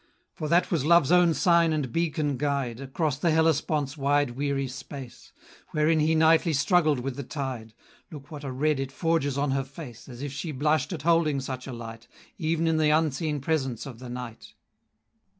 For that was love's own sign and beacon guide Across the Hellespont's wide weary space, Wherein he nightly struggled with the tide: Look what a red it forges on her face, As if she blush'd at holding sucha light, Ev'n in the unseen presence of the night!